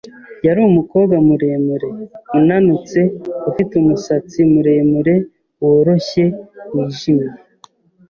Yari umukobwa muremure, unanutse ufite umusatsi muremure, woroshye wijimye.